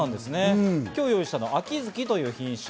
今日用意したのは、あきづきという品種。